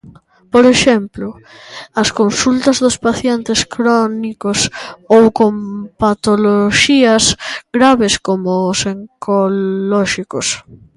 Por exemplo, as consultas dos pacientes crónicos ou con patoloxías graves como os oncolóxicos.